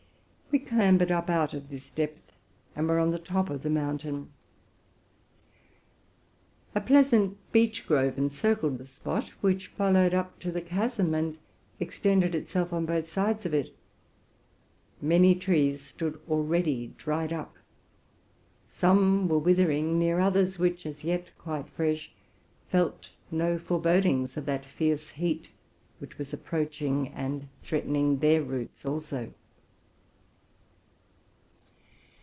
We clambered up out of this depth, and were on the top of the mountain. <A pleas ant beech grove encircled the spot, which followed up to the chasm, and extended itself on both sides of it. Many trees were already dried up: some were withering near others, which, as yet quite fresh, felt no forebodings of that fierce heat which was approaching and threatening their roots also.